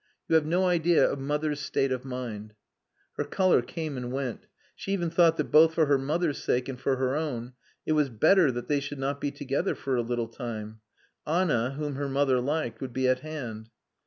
You have no idea of mother's state of mind." Her colour came and went. She even thought that both for her mother's sake and for her own it was better that they should not be together for a little time. Anna, whom her mother liked, would be at hand.